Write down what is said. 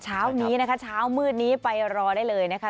เช้านี้นะคะเช้ามืดนี้ไปรอได้เลยนะคะ